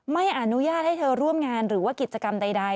ไม่อนุญาตให้เธอร่วมงานหรือว่ากิจกรรมใด